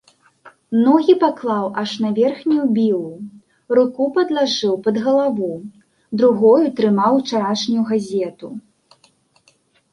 Ногі паклаў аж на верхнюю білу, руку падлажыў пад галаву, другою трымаў учарашнюю газету.